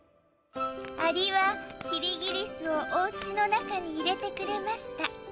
アリはキリギリスをお家の中に入れてくれました。